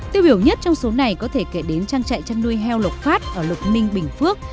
tiêu biểu nhất trong số này có thể kể đến trang trại chăn nuôi heo lộc phát ở lộc ninh bình phước